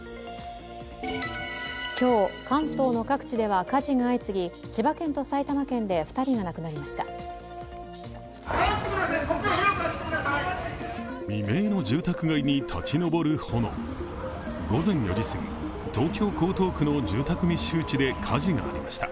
今日、関東の各地では火事が相次ぎ千葉県と埼玉県で２人が亡くなりました。